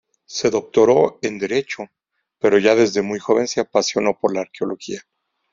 Se doctoró en derecho, pero ya desde muy joven se apasionó por la arqueología.